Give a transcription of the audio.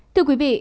thưa quý vị